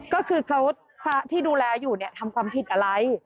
ก็คือเขาที่ดูแลอยู่ทำความผิดอะไร